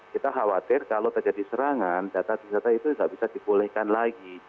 kita khawatir kalau terjadi serangan data wisata itu tidak bisa dibolehkan lagi